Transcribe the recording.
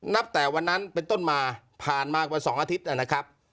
แต่วันนั้นเป็นต้นมาผ่านมากว่า๒อาทิตย์นะครับ